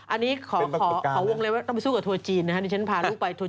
อันนี้ขอวงเลยว่าต้องไปสู้กับทัวร์จีนนะฮะ